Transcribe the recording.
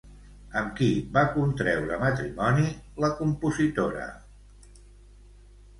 Amb qui va contreure matrimoni la compositora?